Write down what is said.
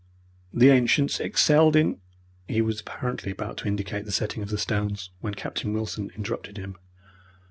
The ancients excelled in " he was apparently about to indicate the setting of the stones, when Captain Wilson interrupted him.